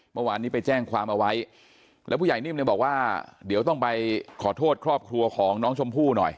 เมื่อวานนี้ไปแจ้งความเอาไว้แล้วผู้ใหญ่นิ่มเนี่ยบอกว่าเดี๋ยวต้องไปขอโทษครอบครัวของน้องชมพู่หน่อย